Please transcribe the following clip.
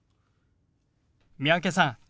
三宅さん